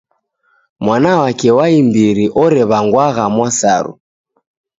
Mwana wake wa imbiri orew'angwagha Mwasaru.